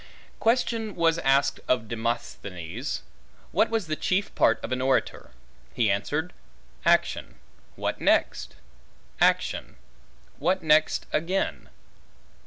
Question was asked of Demosthenes, what was the chief part of an orator? he answered, action; what next? action; what next again?